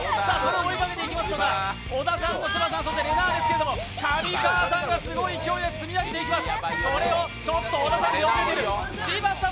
追いかけていきますのが小田さん、そしてれなぁですけれども上川さんがすごい勢いで積み上げていきます。